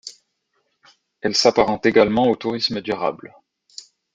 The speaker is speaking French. Elle s'apparente également au tourisme durable.